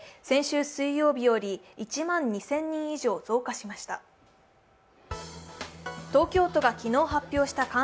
先週水曜日より１万２０００人以上増加しました。